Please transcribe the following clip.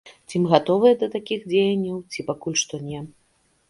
Ці мы гатовыя да такіх дзеянняў, ці пакуль што не.